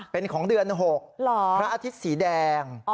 เป็นของเดือน๖พระอาทิตย์สีแดง